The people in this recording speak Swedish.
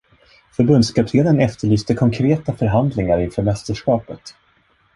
Förbundskaptenen efterlyste konkreta förhandlingar inför mästerskapet.